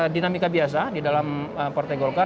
dinamika biasa di dalam partai golkar